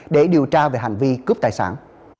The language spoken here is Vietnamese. để điều tra về hành vi cướp tài sản